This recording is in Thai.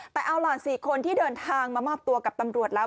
แต่เอาล่ะ๔คนที่เดินทางมามอบตัวกับตำรวจแล้ว